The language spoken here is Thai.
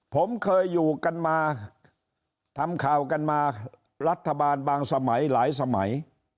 ผมเคยอยู่กันมาทำข่าวกันมารัฐบาลบางสมัยหลายสมัย